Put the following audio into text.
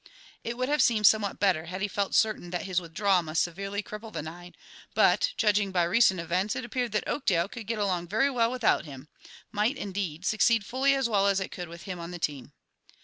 It would have seemed somewhat better had he felt certain that his withdrawal must seriously cripple the nine, but, judging by recent events, it appeared that Oakdale could get along very well without him might, indeed, succeed fully as well as it could with him on the team.